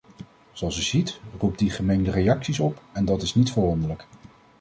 Zoals u ziet, roept die gemengde reacties op, en dat is niet verwonderlijk.